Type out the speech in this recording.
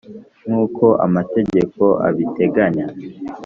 nk'uko amategeko abiteganya.